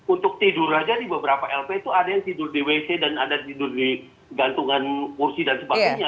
untuk tidur aja di beberapa lp itu ada yang tidur di wc dan ada tidur di gantungan kursi dan sebagainya